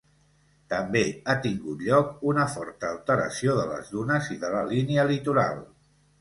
També ha tingut lloc una forta alteració de les dunes i de la línia litoral.